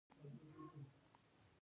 ښایست د سکوت له غږ سره تړلی دی